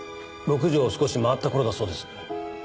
６時を少し回った頃だそうです。